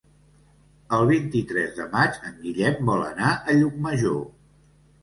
El vint-i-tres de maig en Guillem vol anar a Llucmajor.